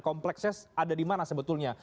kompleksnya ada di mana sebetulnya